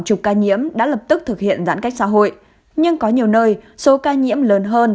chục ca nhiễm đã lập tức thực hiện giãn cách xã hội nhưng có nhiều nơi số ca nhiễm lớn hơn